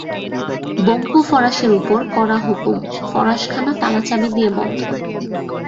বঙ্কু ফরাশের উপর কড়া হুকুম, ফরাশখানা তালাচাবি দিয়ে বন্ধ।